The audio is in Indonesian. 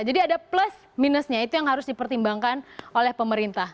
jadi ada plus minusnya itu yang harus dipertimbangkan oleh pemerintah